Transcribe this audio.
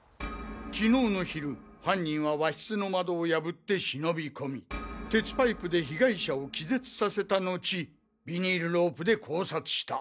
昨日の昼犯人は和室の窓を破って忍び込み鉄パイプで被害者を気絶させたのちビニールロープで絞殺した。